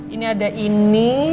ini ada ini